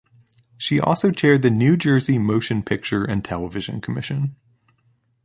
She also chaired the New Jersey Motion Picture and Television Commission.